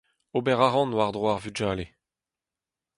Ober a ran war-dro ar vugale.